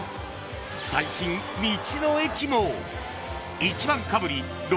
［最新道の駅も］